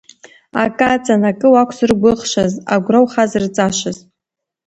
Акы аҵан, акы уақәзыргәыӷшаз, агәра ухазырҵашаз.